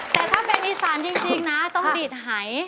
แต่ถ้าเป็นอีสานจริงนะต้องดีดหาย